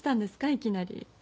いきなり。